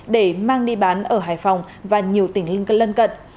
để mang đi bán ở hải phòng và nhiều tỉnh lân cận